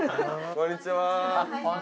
こんにちは。